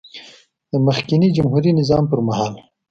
د مخکېني جمهوري نظام پر مهال